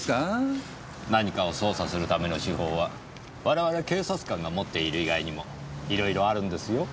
何かを捜査するための手法は我々警察官が持っている以外にもいろいろあるんですよ。